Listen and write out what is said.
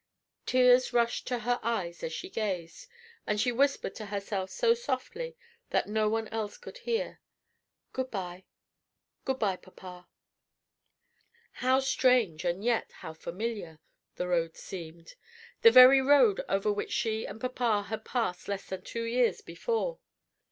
Tears rushed to her eyes as she gazed, and she whispered to herself so softly that no one else could hear, "Good by. Good by, papa." How strange and yet how familiar, the road seemed! the very road over which she and papa had passed less than two years before.